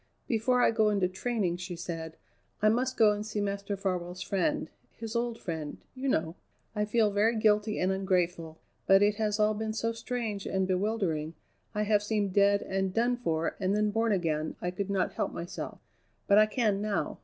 "Before I go into training," she said, "I must go and see Master Farwell's friend his old friend, you know. I feel very guilty and ungrateful, but it has all been so strange and bewildering, I have seemed dead and done for and then born again, I could not help myself; but I can now.